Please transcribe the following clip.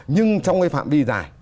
nhưng trong cái phạm vi dài